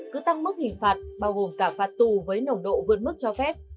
cứ tăng mức hình phạt bao gồm cả phạt tù với nồng độ vượt mức cho phép